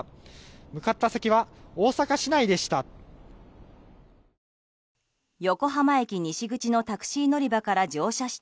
向かった先は大阪市内でした。